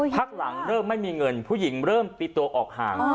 พักหลังเริ่มไม่มีเงินผู้หญิงเริ่มตีตัวออกห่าง